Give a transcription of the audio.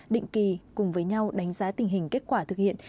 định kỳ cùng với nhau đánh giá tình hình kết quả thực hiện